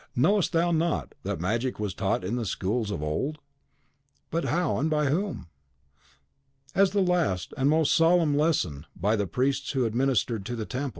Knowest thou not that magic was taught in the schools of old? But how, and by whom? As the last and most solemn lesson, by the Priests who ministered to the Temple.